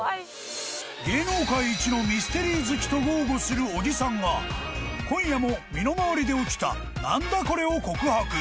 ［芸能界一のミステリー好きと豪語する小木さんが今夜も身の回りで起きた何だコレ！？を告白］